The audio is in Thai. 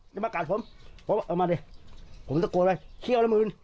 จะมากัดผมเอามาดิผมตะโกดไว้เคี่ยวละมืน